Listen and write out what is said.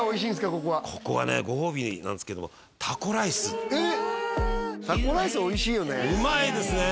ここはここはねご褒美なんですけどもえっタコライスおいしいよね旨いですね